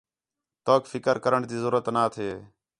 توک فکر کرݨ تی ضرورت نا تھے